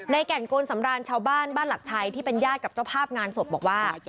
แก่นโกนสำราญชาวบ้านบ้านหลักชัยที่เป็นญาติกับเจ้าภาพงานศพบอกว่า